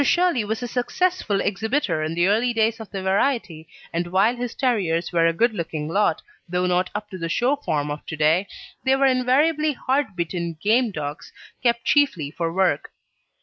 Shirley was a successful exhibitor in the early days of the variety, and while his terriers were a good looking lot, though not up to the show form of to day, they were invariably hard bitten, game dogs, kept chiefly for work.